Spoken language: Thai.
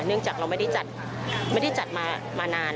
เนื่องจากเราไม่ได้จัดมานาน